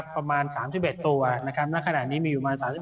ประมาณ๓๑ตัวณขนาดนี้มีประมาณ๓๑ตัว